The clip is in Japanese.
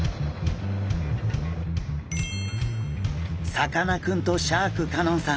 さかなクンとシャーク香音さん